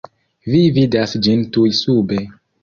Vi vidas ĝin tuj sube.